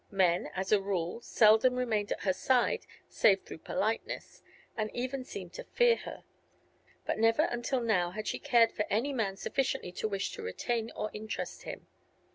Men, as a rule, seldom remained at her side save through politeness, and even seemed to fear her; but never until now had she cared for any man sufficiently to wish to retain or interest him.